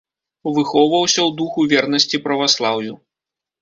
Выхоўваўся ў духу вернасці праваслаўю.